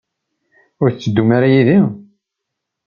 Ur tetteddum ara yid-i?